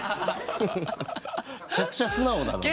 めちゃくちゃ素直だなもう。